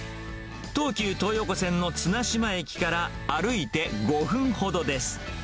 東急東横線の綱島駅から歩いて５分ほどです。